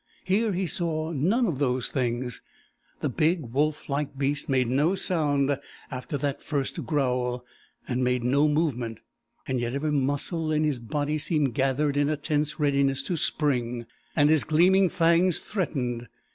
Here he saw none of those things. The big, wolf like beast made no sound after that first growl, and made no movement. And yet every muscle in his body seemed gathered in a tense readiness to spring, and his gleaming fangs threatened.